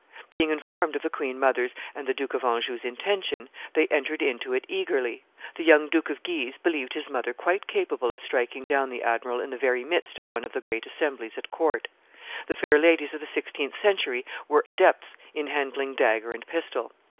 Being informed of the queen mother's and the Duke of Anjou's intention, they entered into it eagerly; the young Duke of Guise believed his mother quite capable of striking down the admiral in the very midst of one of the great assemblies at court; the fair ladies of the sixteenth century were adepts in handling dagger and pistol.